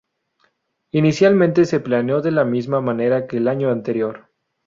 Inicialmente se planeó de la misma manera que el año anterior.